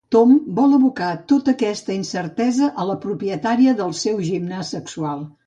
Tom vol abocar tota aquesta incertesa a la propietària del seu gimnàs sexual.